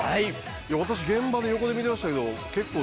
私現場で横で見てましたけど結構。